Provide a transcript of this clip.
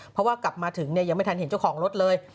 เพราะว่ากลับมาถึงยังไม่ทันเห็นเจ้าของรถเลย